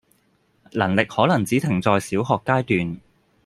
能力可能只停在小學階段